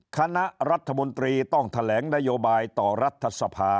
คณะรัฐมนตรีต้องแถลงนโยบายต่อรัฐสภา